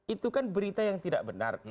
itu kan berita yang tidak benar